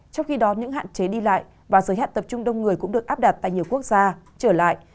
trong khi đó những hạn chế đi lại và giới hạn tập trung đông người cũng được áp đặt tại nhiều quốc gia trở lại